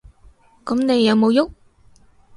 噉你有無郁？